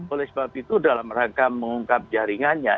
oleh sebab itu dalam rangka mengungkap jaringannya